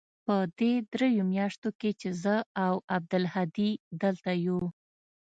په دې درېو مياشتو کښې چې زه او عبدالهادي دلته يو.